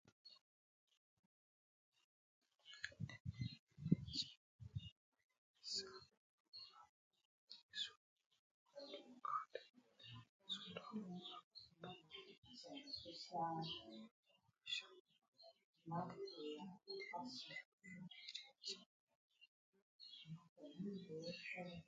Sa shasha shaaa shashasha